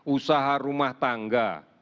usaha rumah tangga